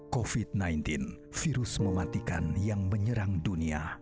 covid sembilan belas virus mematikan yang menyerang dunia